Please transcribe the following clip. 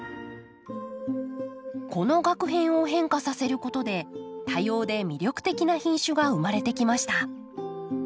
このがく片を変化させることで多様で魅力的な品種が生まれてきました。